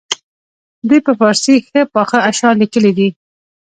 دوی په فارسي ښه پاخه اشعار لیکلي دي.